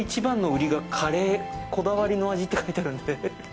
「こだわりの味」って書いてあるので。